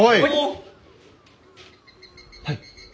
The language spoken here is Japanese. はい。